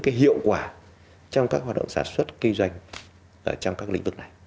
cái hiệu quả trong các hoạt động sản xuất kinh doanh trong các lĩnh vực này